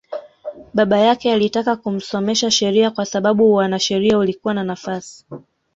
Baba yake alitaka kumsomesha sheria kwa sababu uanasheria ulikuwa na nafasi